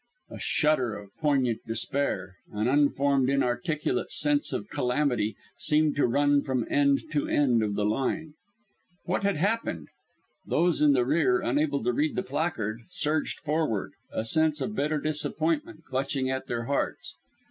A shudder of poignant despair, an unformed, inarticulate sense of calamity, seemed to run from end to end of the line. What had happened? Those in the rear, unable to read the placard, surged forward, a sense of bitter disappointment clutching at their hearts.